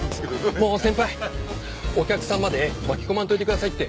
もう先輩お客さんまで巻き込まんといてくださいって。